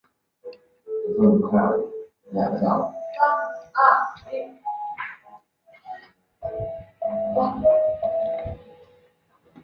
份田制是傣族地区历史上封建领主制社会的土地所有制形态。